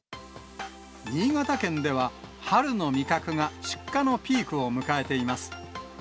新潟県では、春の味覚が出荷のピークを迎えています。